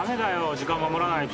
時間守らないと。